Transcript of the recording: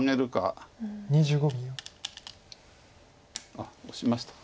あっオシましたか。